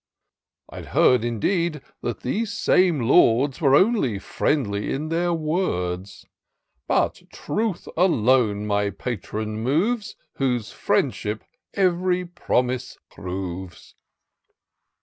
I*d heard) indeed^ that these same lords Were only friendly in their words ; But truth alone my patron moves. Whose friendship ev'ry promise proves."